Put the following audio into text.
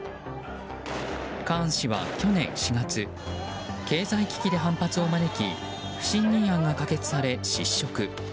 カーン氏は去年４月経済危機で反発を招き不信任案が可決され失職。